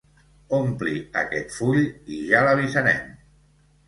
Ompli aquest full i ja l'avisarem.